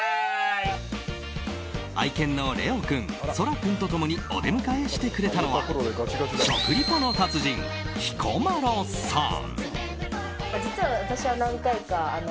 愛犬のレオ君、ソラ君と共にお出迎えしてくれたのは食リポの達人・彦摩呂さん。